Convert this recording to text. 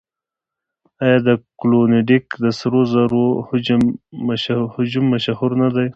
آیا د کلونډیک د سرو زرو هجوم مشهور نه دی؟